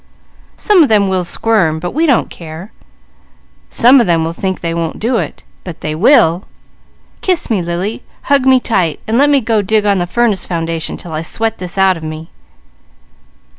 Some of them will squirm, but we don't care. Some of them will think they won't do it, but they will. Kiss me, Lily! Hug me tight, and let me go dig on the furnace foundation 'til I sweat this out of me."